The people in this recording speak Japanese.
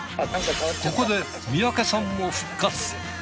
ここで三宅さんも復活。